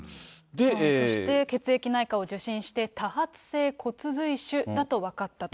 そして血液内科を受診して、多発性骨髄腫だと分かったと。